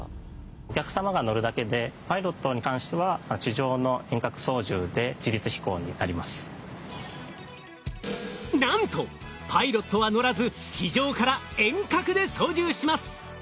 お客様が乗るだけでなんとパイロットは乗らず地上から遠隔で操縦します。